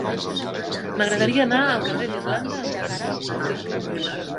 M'agradaria anar al carrer d'Irlanda amb trasport públic.